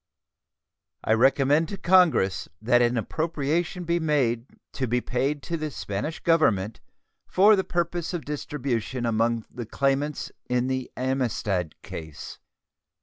I recommend to Congress that an appropriation be made to be paid to the Spanish Government for the purpose of distribution among the claimants in the Amistad case.